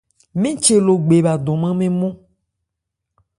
Mɛn che Logbe bha dɔnman mɛn nmɔ́n.